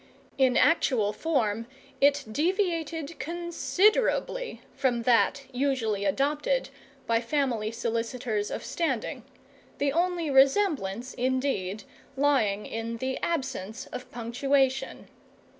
In actual form it deviated considerably from that usually adopted by family solicitors of standing, the only resemblance, indeed, lying in the absence of punctuation.